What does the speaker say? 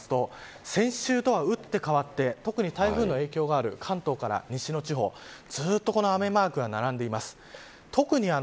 週間予報で見てみると先週とはうって変わって特に台風の影響がる関東から西の地方ずっとこの雨マークが並んでいます。